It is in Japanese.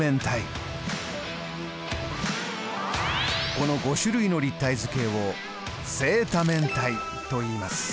この５種類の立体図形を正多面体といいます。